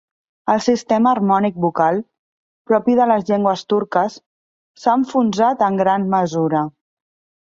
El sistema harmònic vocal, propi de les llengües turques, s'ha enfonsat en gran mesura.